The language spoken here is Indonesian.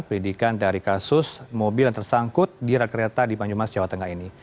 perlidikan dari kasus mobil yang tersangkut di rakyat kereta di manjumas jawa tengah ini